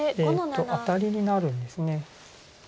アタリになるんです。